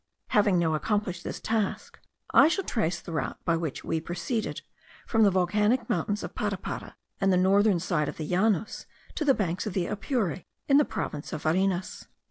Having now accomplished this task, I shall trace the route by which we proceeded from the volcanic mountains of Parapara and the northern side of the Llanos, to the banks of the Apure, in the province of Varinas.